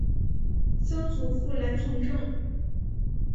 曾祖父兰从政。